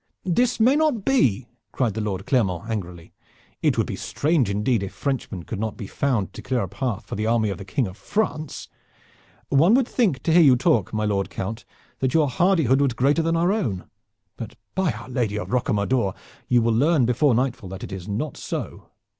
"This may not be!" cried the Lord Clermont angrily. "It would be strange indeed if Frenchmen could not be found to clear a path for the army of the King of France. One would think to hear you talk, my Lord Count, that your hardihood was greater than our own, but by our Lady of Rocamadour you will learn before nightfall that it is not so.